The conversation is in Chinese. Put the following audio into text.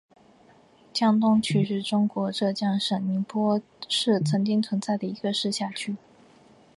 江东区是中国浙江省宁波市曾经存在的一个市辖区。